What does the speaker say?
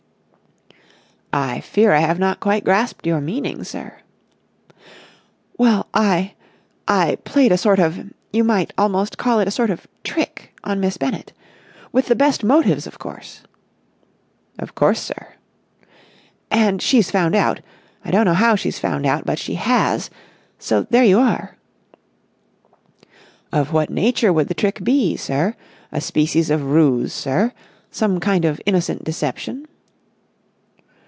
"I fear I have not quite grasped your meaning, sir." "Well, I—I—played a sort of—you might almost call it a sort of trick on Miss Bennett. With the best motives, of course!" "Of course, sir!" "And she's found out! I don't know how she's found out, but she has! So there you are!" "Of what nature would the trick be, sir? A species of ruse, sir,—some kind of innocent deception?"